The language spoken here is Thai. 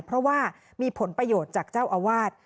เพราะว่ามีผลประโยชน์จากเจ้าอาวาส